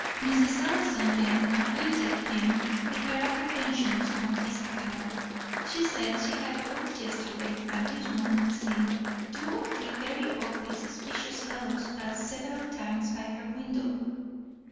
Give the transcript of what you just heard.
Mrs. Ellison then acquainted him with her apprehensions on his account. She said she had both yesterday and this morning seen two or three very ugly suspicious fellows pass several times by her window.